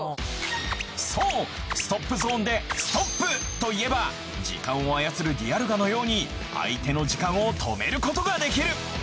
そうストップゾーンで「ストップ！」と言えば時間を操るディアルガのように相手の時間を止めることができる。